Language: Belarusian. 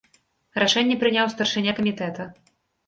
Рашэнне прыняў старшыня камітэта.